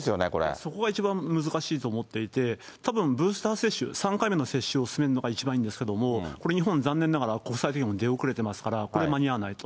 そこが一番難しいと思っていて、たぶん、ブースター接種、３回目の接種を進めるのが一番いいんですけれども、これ日本、残念ながら国際的にも出遅れてますから、これは間に合わないと。